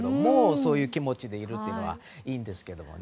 そういう気持ちでいるというのはいいですよね。